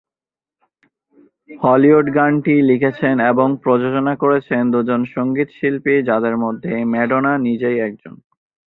Hollywood গানটি লিখেছেন এবং প্রযোজনা করেছেন দুজন সঙ্গীত শিল্পী যাদের মধ্যে ম্যাডোনা নিজে একজন।